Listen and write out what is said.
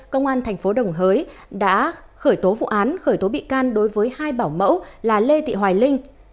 công an thành phố đồng hới đã khởi tố vụ án khởi tố bị can đối với hai bảo mẫu là lê thị hoài linh